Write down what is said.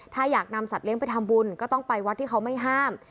ถ้าอยากนำสัตว์เลี้ยไปทำบุญก็ต้องไปวัดที่เขาไม่ห้าม